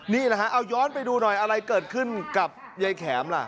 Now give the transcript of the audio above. นี่แหละฮะเอาย้อนไปดูหน่อยอะไรเกิดขึ้นกับยายแข็มล่ะ